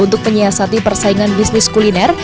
untuk menyiasati persaingan bisnis kuliner